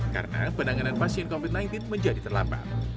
karena penanganan pasien covid sembilan belas menjadi terlambat